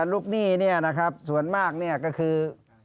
ลูกหนี้ส่วนมากก็คือ